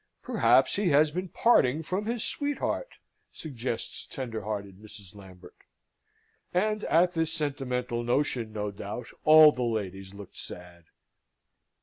"Perhaps he has been parting from his sweetheart," suggests tender hearted Mrs. Lambert. And at this sentimental notion, no doubt all the ladies looked sad.